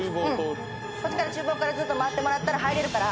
こっちから厨房からずっと回ってもらったら入れるから。